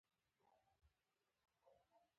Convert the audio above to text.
د همیش بهار ګل د پوستکي لپاره وکاروئ